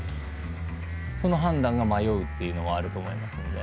その判断が迷うというのがあると思うので。